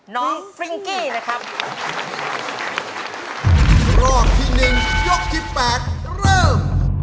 น้องฟริ้งกี้นะครับ